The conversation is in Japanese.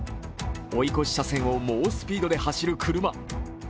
追い越し車線を猛スピードで走る車。